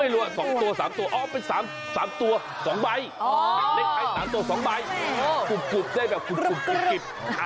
ไม่รู้อ่ะ๒ตัว๓ตัวอ้าวเป็น๓ตัว๒ใบใส่๓ตัว๒ใบกรุบได้แบบกรุบ